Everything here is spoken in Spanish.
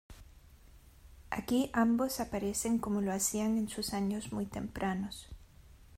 Aquí ambos aparecen como lo hacían en sus años muy tempranos.